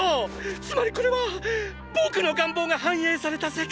つまりこれは僕の願望が反映された世界！